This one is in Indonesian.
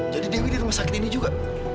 jadi dewi di rumah sakit ini juga